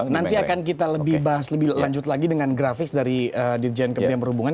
nanti akan kita lebih lanjut lagi dengan grafis dari dirjen keperhubungan